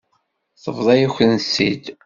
Tebḍa-yakent-tt-id.